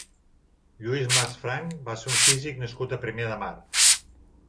Lluís Mas Franch va ser un físic nascut a Premià de Mar.